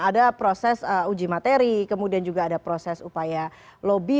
ada proses uji materi kemudian juga ada proses upaya lobby